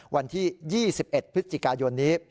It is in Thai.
วันที่๒๑พฤศจิกายนนี้